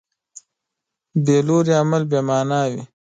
بېلوري عمل بېمانا وي.